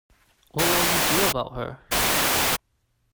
What will you do about her?